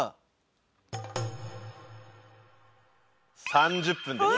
３０分です。